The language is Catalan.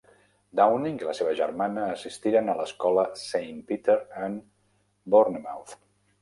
Dowding i la seva germana assistiren a l'escola Saint Peter en Bournemouth.